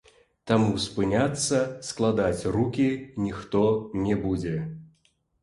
Таму спыняцца, складаць рукі ніхто не будзе.